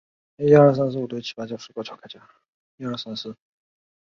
撮泰吉主要流传于贵州省威宁县板底乡以裸戛村寨为中心的彝族山寨。